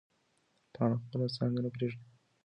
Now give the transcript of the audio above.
پاڼه خپله څانګه نه پرېږدي.